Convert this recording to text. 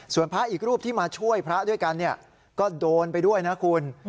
ส่วนพระอีกรูปที่มาช่วยพระด้วยกันก็โดนไปด้วยนะคุณ